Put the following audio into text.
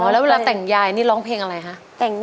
แล้วเวลาแต่งยายนี่ร้องเพลงอะไรคะ